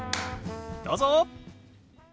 どうぞ！